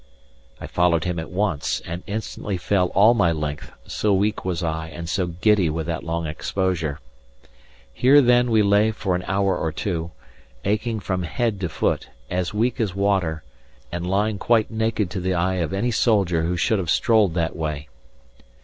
I followed him at once, and instantly fell all my length, so weak was I and so giddy with that long exposure. Here, then, we lay for an hour or two, aching from head to foot, as weak as water, and lying quite naked to the eye of any soldier who should have strolled that way.